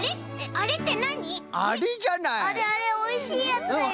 あれあれおいしいやつだよ。